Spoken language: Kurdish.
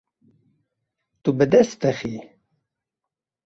Tu bi dest dixî.